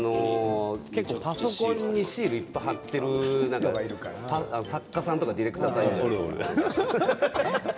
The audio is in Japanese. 結構、パソコンにシールをいっぱい貼っている作家さんとかディレクターさんいるじゃないですか。